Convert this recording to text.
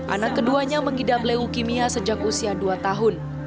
anak keduanya mengidap leukemia sejak usia dua tahun